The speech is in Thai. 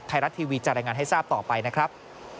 ไทยรัฐทีวีจะรายงานให้ทราบต่อไปนะครับ